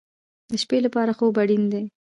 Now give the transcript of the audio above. د شپې لپاره خوب اړین دی